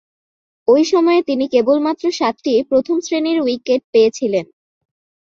ঐ সময়ে তিনি কেবলমাত্র সাতটি প্রথম-শ্রেণীর উইকেট পেয়েছিলেন।